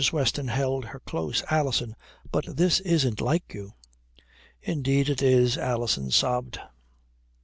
Weston held her close. "Alison! But this isn't like you." "Indeed it is," Alison sobbed.